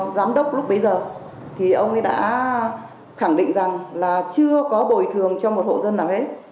cái ông giám đốc lúc bây giờ thì ông ấy đã khẳng định rằng là chưa có bồi thương cho một hộ dân nào hết